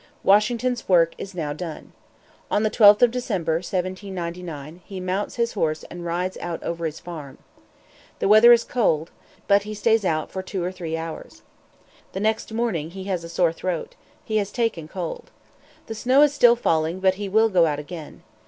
Washington's work is done now. On the 12th of December, 1799, he mounts his horse and rides out over his farms. The weather is cold; the snow is falling; but he stays out for two or three hours. The next morning he has a sore throat; he has taken cold. The snow is still falling, but he will go out again.